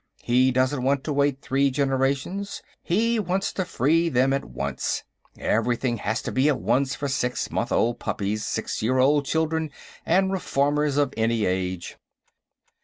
He doesn't want to wait three generations; he wants to free them at once. Everything has to be at once for six month old puppies, six year old children, and reformers of any age."